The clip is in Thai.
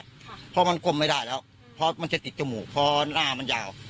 เพราะมันก้มไม่ได้แล้วเพราะมันจะติดจมูกเพราะหน้ามันยาว